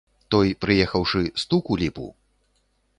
Той, прыехаўшы, стук у ліпу.